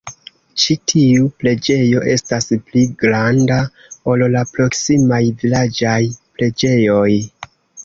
Ĉi tiu preĝejo estas pli granda, ol la proksimaj vilaĝaj preĝejoj.